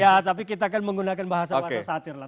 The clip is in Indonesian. ya tapi kita kan menggunakan bahasa bahasa satir lah